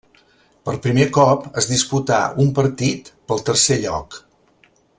Per primer cop es disputà un partit pel tercer lloc.